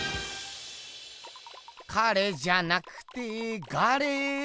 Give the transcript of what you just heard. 彼じゃなくてガレ。